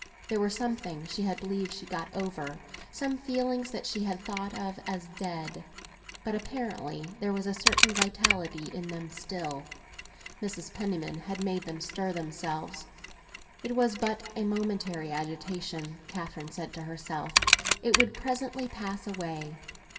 There were some things she believed she had got over, some feelings that she had thought of as dead; but apparently there was a certain vitality in them still. Mrs. Penniman had made them stir themselves. It was but a momentary agitation, Catherine said to herself; it would presently pass away.